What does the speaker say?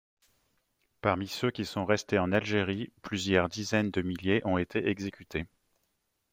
Parmi ceux qui sont restés en Algérie, plusieurs dizaines de milliers ont été exécutés.